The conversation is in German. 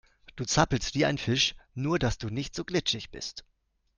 Du zappelst wie ein Fisch, nur dass du nicht so glitschig bist.